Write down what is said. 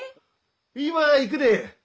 今行くで！